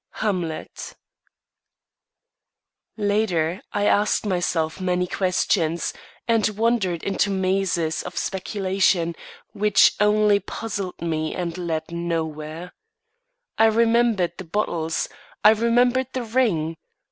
Hamlet. Later, I asked myself many questions, and wandered into mazes of speculation which only puzzled me and led nowhere. I remembered the bottles; I remembered the ring.